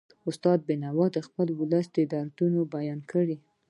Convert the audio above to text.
استاد بینوا د خپل ولس دردونه بیان کړل.